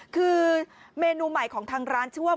คือเมนูใหม่ของทางร้านชื่อว่า